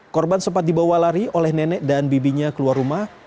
korban sempat dibawa lari oleh nenek dan bibinya keluar rumah